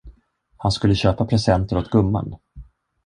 Han skulle köpa presenter åt gumman.